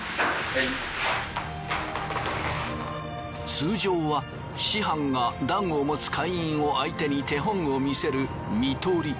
通常は師範が段を持つ会員を相手に手本を見せる見取り。